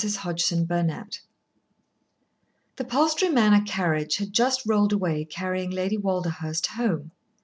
Chapter Fifteen The Palstrey Manor carriage had just rolled away carrying Lady Walderhurst home.